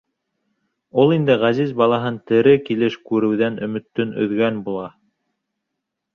Ул инде ғәзиз балаһын тере килеш күреүҙән өмөтөн өҙгән була.